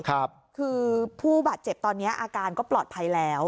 คือผู้บาดเจ็บตอนนี้อาการก็ปลอดภัยแล้ว